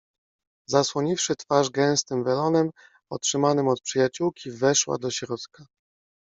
Zasłoniwszy twarz gęstym welonem, otrzymanym od przyjaciółki, weszła do środka.